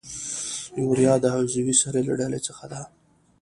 یوریا د عضوي سرو له ډلې څخه ده.